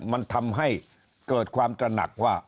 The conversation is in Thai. มันทำให้เกิดความตระหนักว่า